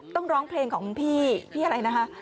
ต้องร้องเพลงของพี่พี่อะไรนะคะ